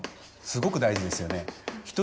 すごく大事ですよね。